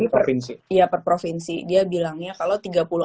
iya per provinsi iya per provinsi itu perbundesland sih sebenarnya mereka itu di provinsi